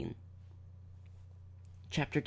CHAPTER II.